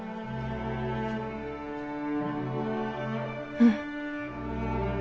うん。